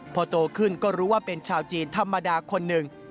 พอโตขึ้นก็รู้ว่าเป็นชาวจีนธรรมดาคนหนึ่ง